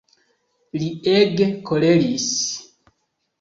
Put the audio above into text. Li ege koleris.